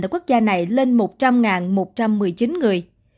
ở quốc gia này lên một trăm linh một trăm một mươi chín người